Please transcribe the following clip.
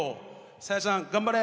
さやさん頑張れ！